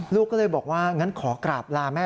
ลูกก็เลยบอกว่างั้นขอกราบลาแม่